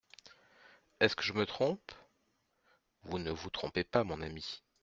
Est-ce que je me trompe ? Vous ne vous trompez pas, mon ami.